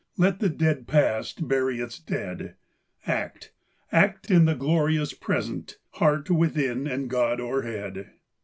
Let the dead Past bury its dead! Act, act in the living Present! Heart within, and God o'erhead!